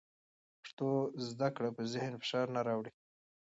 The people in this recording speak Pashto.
پښتو زده کړه په ذهن فشار نه راوړي.